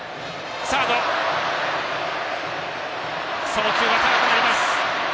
送球が高くなります。